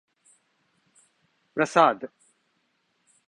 Prasad.